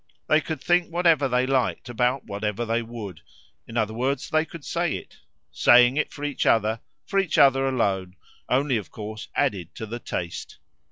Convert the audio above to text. They could think whatever they liked about whatever they would in other words they could say it. Saying it for each other, for each other alone, only of course added to the taste.